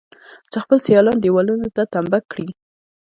چې خپل سيالان دېوالونو ته تمبه کړي.